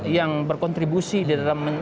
yang berkontribusi di dalam